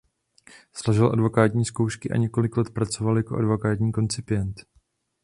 Složil advokátní zkoušky a několik let pracoval jako advokátní koncipient.